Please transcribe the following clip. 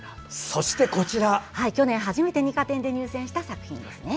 そしてこちら、去年初めて二科展で入選した作品です。